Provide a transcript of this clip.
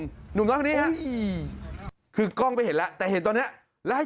ดูซะทางนี้ฮะก็คือกล้องไปเห็ดและแต่เห็นตอนเนี้ย